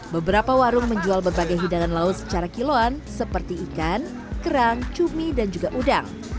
beberapa warung menjual berbagai hidangan laut secara kiloan seperti ikan kerang cumi dan juga udang